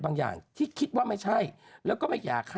นางคิดแบบว่าไม่ไหวแล้วไปกด